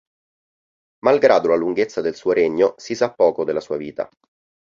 Malgrado la lunghezza del suo regno, si sa poco della sua vita.